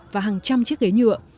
và hàng trăm chiếc ghế nhựa